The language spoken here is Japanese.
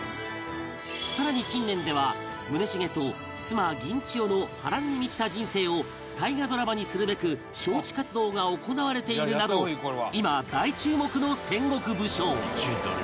さらに近年では宗茂と妻千代の波乱に満ちた人生を大河ドラマにするべく招致活動が行われているなど今大注目の戦国武将